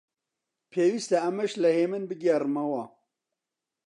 پێویستە ئەمەش لە هێمن بگێڕمەوە: